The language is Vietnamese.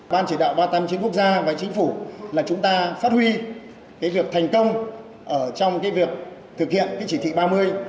ban chỉ đạo ba trăm tám mươi chín quốc gia và chính phủ là chúng ta phát huy việc thành công trong việc thực hiện cái chỉ thị ba mươi